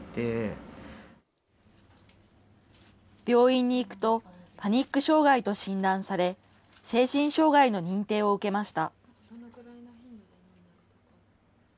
病院に行くと、パニック障害と診断され、精神障害の認定を受けました。